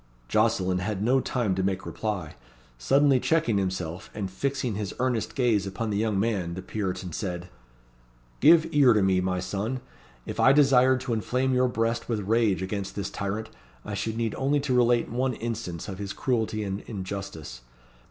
Jocelyn had no time to make reply. Suddenly checking himself, and fixing his earnest gaze upon the young man, the Puritan said "Give ear to me, my son. If I desired to inflame your breast with rage against this tyrant, I should need only to relate one instance of his cruelty and injustice.